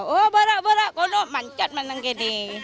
oh barak barak kondok pancat meneng gini